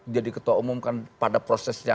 jadi ketua umum pada proses